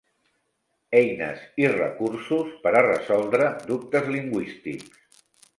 Eines i recursos per a resoldre dubtes lingüístics.